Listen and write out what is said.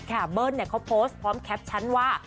แคบเบิ้ลเนี่ยเขาโพสต์พร้อมแคปชันว่า